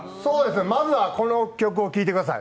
まずはこの曲を聞いてください。